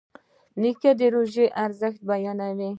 نیکه د روژې ارزښت بیانوي.